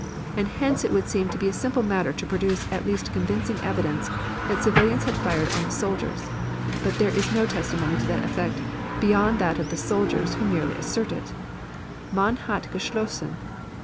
And hence it would seem to be a simple matter to produce at least convincing evidence that civilians had fired on the soldiers; but there is no testimony to that effect beyond that of the soldiers who merely assert it: Man hat geschossen.